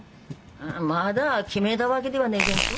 あまだ決めたわけではねえげんと。